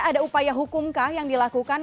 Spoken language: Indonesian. ada upaya hukum kah yang dilakukan